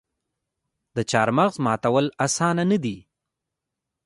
د چهارمغز ماتول اسانه نه دي.